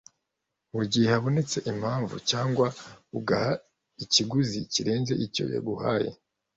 mu gihe habonetse impamvu cyangwa uguha ikiguzi kirenze icyo yaguhaye